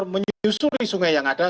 menyusuri sungai yang ada